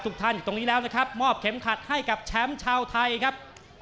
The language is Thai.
ท่านอยู่ตรงนี้แล้วนะครับมอบเข็มขัดให้กับแชมป์ชาวไทยครับ